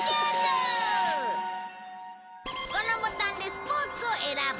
このボタンでスポーツを選ぶ。